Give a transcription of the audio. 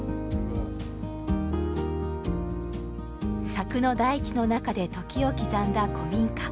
佐久の大地の中で時を刻んだ古民家。